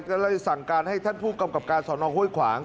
ก็เลยสั่งการให้ท่านผู้กำกับการสอนองห้วยขวาง